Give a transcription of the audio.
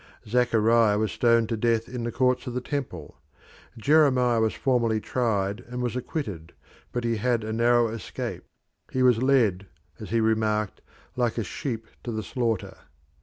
Zachariah was stoned to death in the courts of the Temple. Jeremiah was formally tried and was acquitted, but he had a narrow escape: he was led, as he remarked, like a sheep to the slaughter.